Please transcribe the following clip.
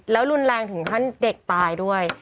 แล้วรุนแรงถึงขั้นเด็กตายด้วย